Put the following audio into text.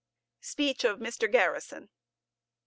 SPEECH OF MR. GARRISON. Mr.